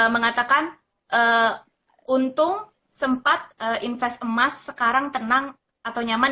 mengatakan untung sempat invest emas sekarang tenang atau nyaman